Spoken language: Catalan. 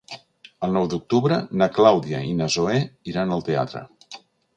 El nou d'octubre na Clàudia i na Zoè iran al teatre.